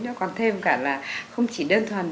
nó còn thêm cả là không chỉ đơn thuần